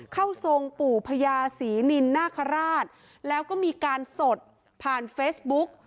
เข้าทรงปู่พญาศรีนินนาคาราชแล้วก็มีการสดผ่านเฟซบุ๊ก